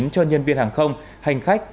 cho nhân viên hàng không hành khách